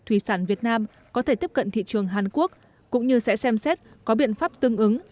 thủy sản việt nam có thể tiếp cận thị trường hàn quốc cũng như sẽ xem xét có biện pháp tương ứng